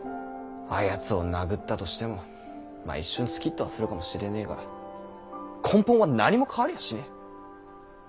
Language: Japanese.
あやつを殴ったとしてもまあ一瞬スキッとはするかもしれねぇが根本は何も変わりやしねぇ。